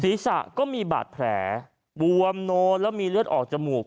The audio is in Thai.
ศีรษะก็มีบาดแผลบวมโนแล้วมีเลือดออกจมูก